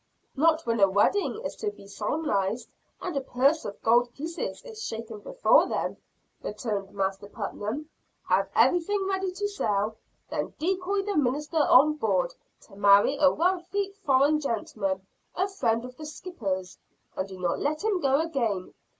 "Not when a wedding is to be solemnized, and a purse of gold pieces is shaken before them," returned Master Putnam. "Have everything ready to sail. Then decoy the minister on board, to marry a wealthy foreign gentleman, a friend of the skipper's and do not let him go again.